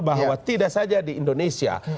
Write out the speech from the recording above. bahwa tidak saja di indonesia